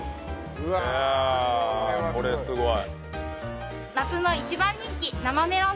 うわこれはすごい。